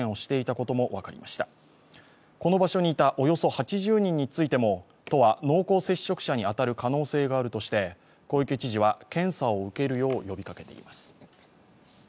この場所にいたおよそ８０人についても、都は濃厚接触者に当たる可能性があるとして小池知事は検査を受けるよう呼びかけています。